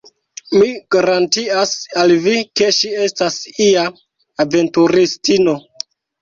Mi garantias al vi, ke ŝi estas ia aventuristino!